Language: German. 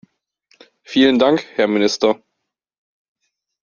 Vielen Dank, Herr Minister.